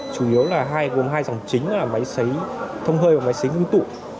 chủ yếu là hai dòng chính là máy xấy thông hơi và máy xấy nguyên tụ